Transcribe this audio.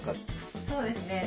そうですね